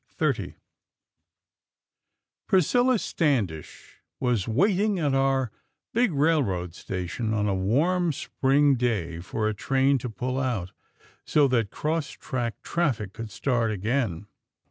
XXX Priscilla Standish was waiting at our big railroad station, on a warm Spring day, for a train to pull out, so that cross track traffic could start again.